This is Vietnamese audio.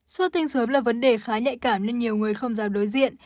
xuất tinh sớm là vấn đề khá nhạy cảm nên nhiều người không dám đối diện